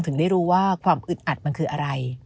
ถึงได้รู้ว่าความอึดอัดมันคืออะไร